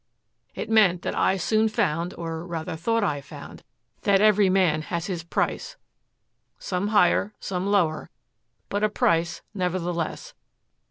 "It meant that I soon found, or, rather, thought I found, that every man has his price some higher, some lower, but a price, nevertheless.